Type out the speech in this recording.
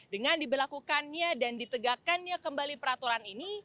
dengan dibelakukannya dan ditegakannya kembali peraturan ini